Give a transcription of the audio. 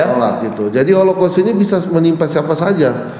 kita tolak gitu jadi holocaust ini bisa menimpa siapa saja